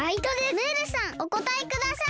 ムールさんおこたえください。